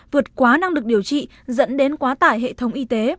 vượt quá năng lực điều trị dẫn đến quá tải hệ thống y tế